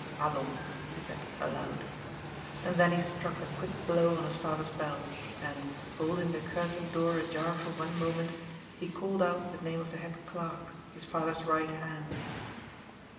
" Aliens," he said, aloud. And then he struck a quick blow on his father's bell, and, holding the curtained door ajar for one moment, he called out the name of the head clerk, his father's right hand.